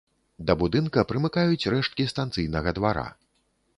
Да будынка прымыкаюць рэшткі станцыйнага двара.